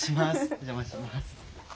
お邪魔します。